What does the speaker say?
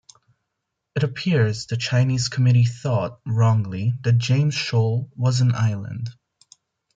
It appears the Chinese committee thought, wrongly that James Shoal was an island.